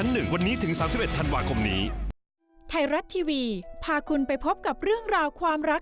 เพราะยังไส้ทางใกล้ได้ได้เร็วเขินนะครับ